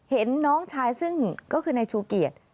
เห็นน้องชายซึ่งก็คือนายชูเกียจ